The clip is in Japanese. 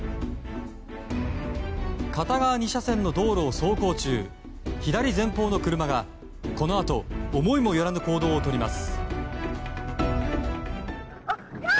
片側２車線の道路を走行中左前方の車がこのあと思いもよらぬ行動をとります。